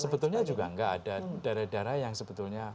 sebetulnya juga enggak ada darah darah yang sebetulnya